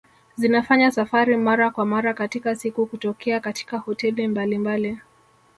Zinafanya safari mara kwa mara katika siku kutokea katika hoteli mbalimbali